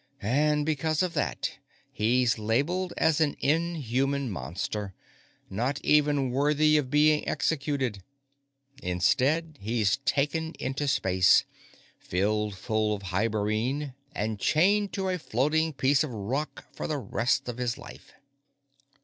And because of that, he's labelled as an inhuman monster, not even worthy of being executed. Instead, he's taken into space, filled full of hibernene, and chained to a floating piece of rock for the rest of his life.